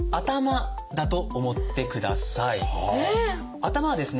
頭はですね